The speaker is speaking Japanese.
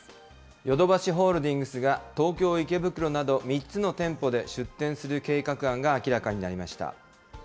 ヨドバシホールディングスが、東京・池袋など３つの店舗で出店する計画案が明らかになりました。